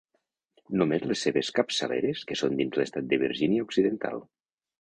Només les seves capçaleres, que són dins l'estat de Virgínia Occidental.